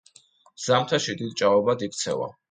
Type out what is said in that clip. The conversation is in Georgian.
ზამთარში დიდ ჭაობად იქცევა.